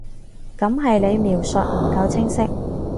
噉係你描述唔夠清晰